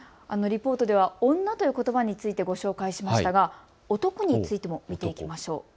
リポートでは女ということばについてご紹介しましたが男についても見ていきましょう。